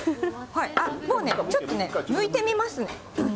あっ、もうね、ちょっとね、むいてみます。